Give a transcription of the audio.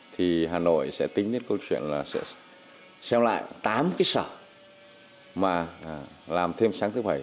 thì hà nội sẽ tính đến câu chuyện là sẽ xem lại tám cái sở mà làm thêm sáng thứ bảy